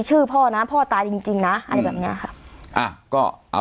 พ่อนะพ่อตายจริงจริงนะอะไรแบบเนี้ยค่ะอ่าก็เอา